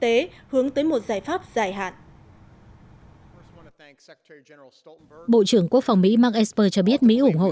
tế hướng tới một giải pháp dài hạn bộ trưởng quốc phòng mỹ mark esper cho biết mỹ ủng hộ